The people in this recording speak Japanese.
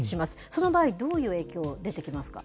その場合、どういう影響出てきますか。